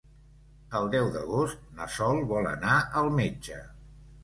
El deu d'agost na Sol vol anar al metge.